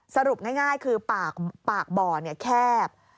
สรุปง่ายคือปากบ่อแคบ